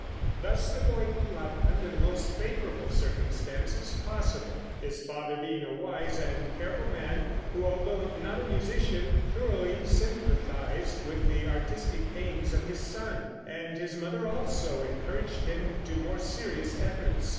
Thus the boy grew up under the most favorable circumstances possible, his father being a wise and careful man, who, although not a musician, thoroughly sympathized with the artistic aims of his son; and his mother also encouraged him to more serious efforts.